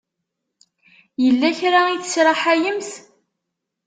Yella kra i tesraḥayemt?